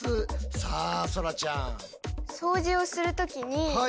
さあそらちゃん。